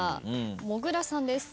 もぐらさんです。